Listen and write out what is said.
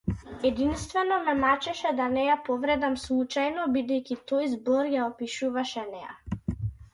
Единствено ме мачеше да не ја повредам случајно, бидејќи тој збор ја опишуваше неа.